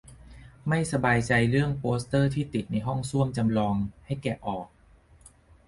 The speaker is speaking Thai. ไม่สบายใจเรื่องโปเตอร์ที่ติดในห้องส้วมจำลอง ให้แกะออก